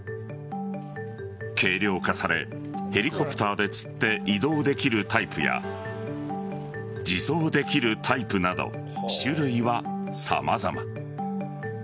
軽量化されヘリコプターでつって移動できるタイプや自走できるタイプなど種類は様々。